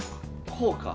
こうか。